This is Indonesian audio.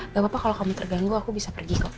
gak apa apa kalau kamu terganggu aku bisa pergi kok